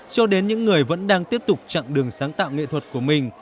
cho đến những người vẫn đang tiếp tục chặng đường sáng tạo nghệ thuật của mình